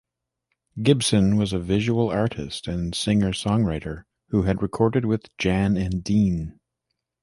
Gibson was a visual artist and singer-songwriter who had recorded with Jan and Dean.